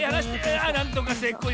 あなんとかせいこう。